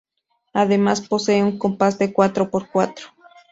Además, posee un compás de cuatro por cuatro.